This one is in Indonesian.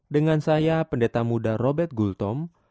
dengan saya pendeta muda robert gultom